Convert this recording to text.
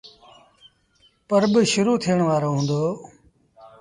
پرٻ شروٚ ٿيڻ وآرو هُݩدو